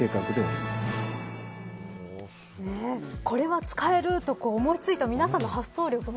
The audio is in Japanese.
これは使えると思いついた皆さんの発想力